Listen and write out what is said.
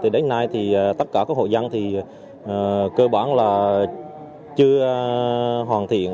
từ đến nay thì tất cả các hội dân thì cơ bản là chưa hoàn thiện